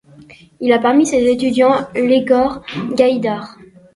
Il a parmi ses étudiants Iegor Gaïdar.